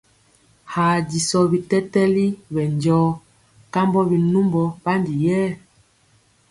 Haa disɔ bitɛtɛli ɓɛ njɔɔ kambɔ binumbɔ ɓandi yɛɛ.